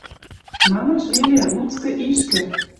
Манаш веле: луцкы ишкӹ